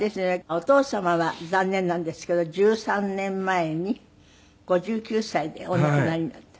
お父様は残念なんですけど１３年前に５９歳でお亡くなりになった。